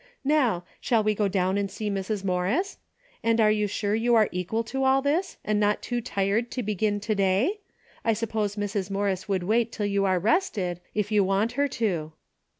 Now, shall we go down and see Mrs. Morris? And are you sure you are equal to all this, and not too tired to begin to day ? I suppose Mrs. Morris would wait till you are rested, if you want her to."